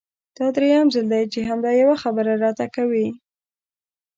دا درېيم ځل دی چې همدا يوه خبره راته کوې!